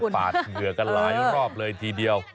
ปาดเหงื่อกันหลายรอบเลยทีเดียว